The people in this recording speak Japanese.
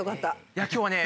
いや今日はね